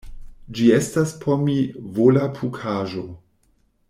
Ĝi estas por mi volapukaĵo.